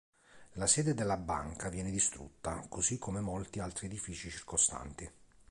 La sede della banca viene distrutta, così come molti altri edifici circostanti.